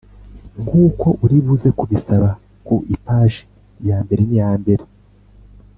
Nk uko uri buze kubisanga ku ipaji ya mbere n iya mbere